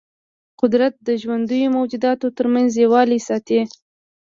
قدرت د ژوندیو موجوداتو ترمنځ یووالی ساتي.